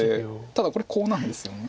ただこれコウなんですよね。